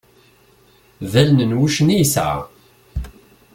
D allen n wuccen i yesɛa.